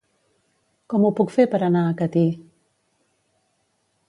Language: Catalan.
Com ho puc fer per anar a Catí?